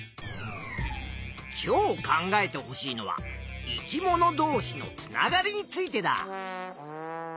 今日考えてほしいのは「生き物どうしのつながり」についてだ。